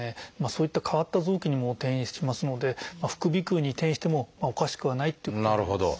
そういった変わった臓器にも転移しますので副鼻腔に転移してもおかしくはないっていうことになります。